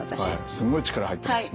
すごい力入ってますね。